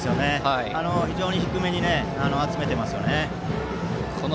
非常に低めに集めています。